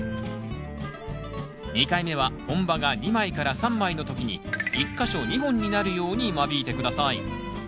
２回目は本葉が２枚から３枚の時に１か所２本になるように間引いて下さい。